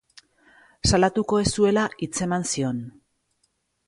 Salatuko ez zuela hitzeman zion.